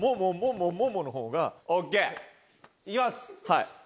はい。